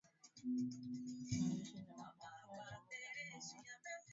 Mwandishi Demokrasia ya Jamuhusi ya Kongo aeleza uhuru wa habari katika hali ya kivita